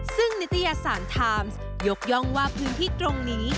ซึ่งนิตยสารไทม์ยกย่องว่าพื้นที่ตรงนี้